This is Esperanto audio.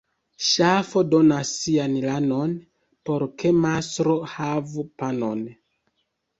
Ŝafo donas sian lanon, por ke mastro havu panon.